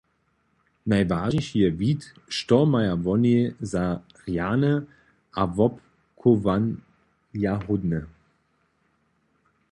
Najwažniši je wid, što maja woni za rjane a wobchowanjahódne.